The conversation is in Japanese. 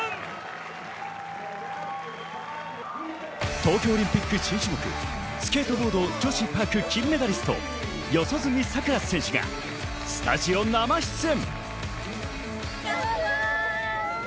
東京オリンピック新種目、スケートボード女子パーク、金メダリスト・四十住さくら選手がスタジオ生出演。